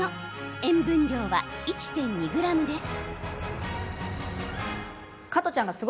塩分量は１．２ｇです。